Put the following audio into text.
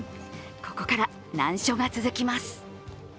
ここから難所が続きます。